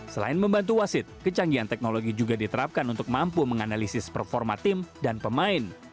selain membantu wasit kecanggihan teknologi juga diterapkan untuk mampu menganalisis performa tim dan pemain